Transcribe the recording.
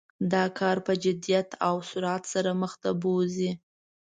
دا کار په جدیت او سرعت سره مخ ته بوزي.